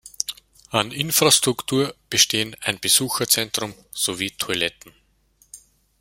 An Infrastruktur bestehen ein Besucherzentrum sowie Toiletten.